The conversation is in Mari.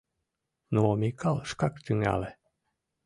Но Микал шкак тӱҥале.